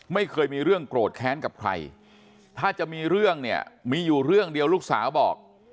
ไม่เคยมีเรื่องโกรธแค้นกับใครถ้าจะมีเรื่องเนี่ยมีอยู่เรื่องเดียวลูกสาวบอก